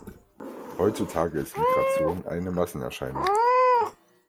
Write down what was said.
Heutzutage ist Migration eine Massenerscheinung.